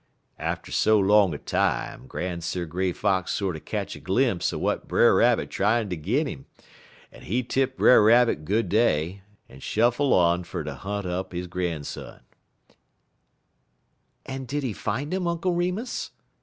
_' "Atter so long a time, Gran'sir' Gray Fox sorter ketch a glimpse er w'at Brer Rabbit tryin' ter gin 'im, en he tip Brer Rabbit good day, en shuffle on fer ter hunt up he gran'son." "And did he find him, Uncle Remus?"